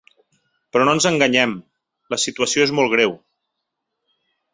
Però no ens enganyem: la situació és molt greu.